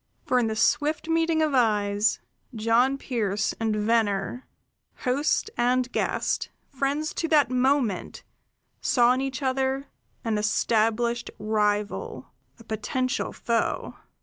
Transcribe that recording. For in the swift meeting of eyes, John Pearse and Venner, host and guest, friends to that moment, saw in each other an established rival, a potential foe.